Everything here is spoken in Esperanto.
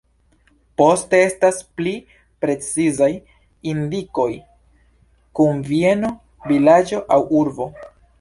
Poste estas pli precizaj indikoj kun bieno, vilaĝo aŭ urbo.